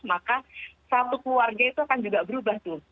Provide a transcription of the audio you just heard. maka satu keluarga itu akan juga berubah tuh